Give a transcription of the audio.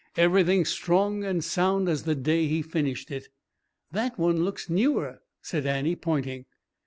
Everything's strong and sound as the day he finished it." "That one looks newer," said Annie, pointing.